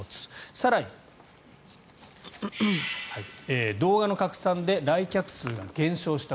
更に、動画の拡散で来客数が減少した。